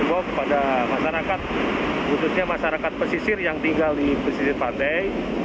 membawa kepada masyarakat khususnya masyarakat pesisir yang tinggal di pesisir pantai